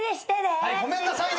はいごめんなさいね！